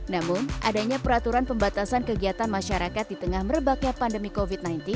namun adanya peraturan pembatasan kegiatan masyarakat di tengah merebaknya pandemi covid sembilan belas